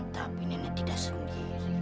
tapi nenek tidak sendiri